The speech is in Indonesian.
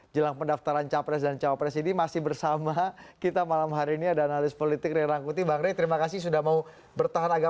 jelang penutupan pendaftaran